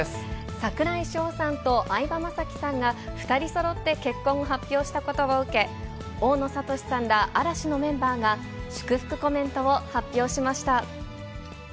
櫻井翔さんと相葉雅紀さんが、２人そろって結婚を発表したことを受け、大野智さんら嵐のメンバーが祝福コメントを発表しました。